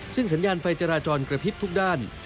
ซึ่งสัญญาณไฟจราจรกระพริบทุกด้าน